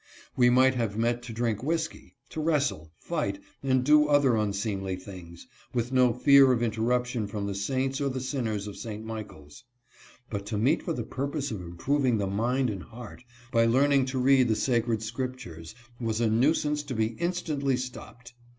We might have met to drink whisky, to wrestle, fight, and to do other unseemly things, with no fear of interruption from the saints or the sinners of St. Michaels. But to meet for the purpose of improving the mind and heart, by learning to read the sacred scriptures, was a nuisance to be instantly stopped.